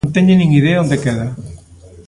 Non teñen nin idea onde queda.